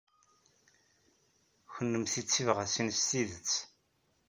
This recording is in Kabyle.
Kennemti d tibɣasin s tidet.